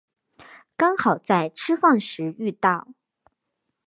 刚好在吃饭时遇到